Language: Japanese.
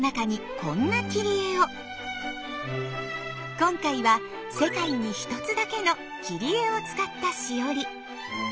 今回は世界に一つだけの切り絵を使ったしおり。